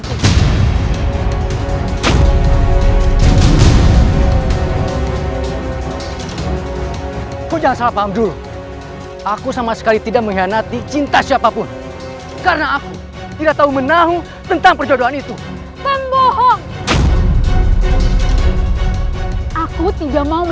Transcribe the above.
kekuatanku akan menciptakan seluruh gelombang salju di wilayahmu